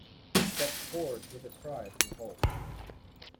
He stepped forward with a cry of revolt.